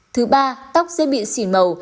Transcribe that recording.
thứ ba tóc sẽ bị xỉn màu